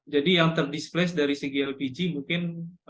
jadi yang ter displace dari segi lpg mungkin